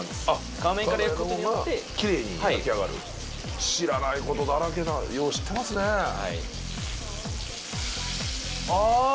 皮面から焼くことによってきれいに焼き上がる知らないことだらけだよう知ってますねあ！